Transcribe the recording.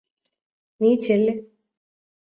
നീ ചെല്ല്